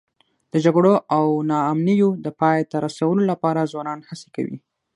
د جګړو او ناامنیو د پای ته رسولو لپاره ځوانان هڅې کوي.